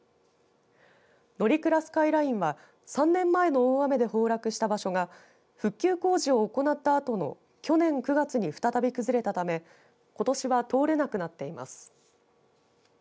乗鞍スカイラインは３年前の大雨で崩落した場所が復旧工事を行ったあとの去年９月に再び崩れたためことしは通れなくなっています。